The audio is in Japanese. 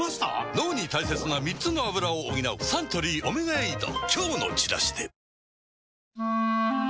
脳に大切な３つのアブラを補うサントリー「オメガエイド」